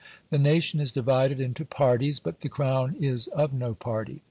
The nation is divided into parties, but the crown is of no party.